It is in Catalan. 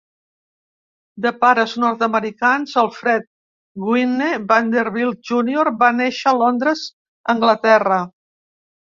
De pares nord-americans, Alfred Gwynne Vanderbilt, Junior va néixer a Londres, Anglaterra.